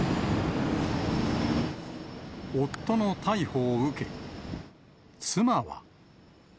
夫の逮捕を受け、妻は。